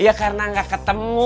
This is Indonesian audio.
ya karena gak ketemu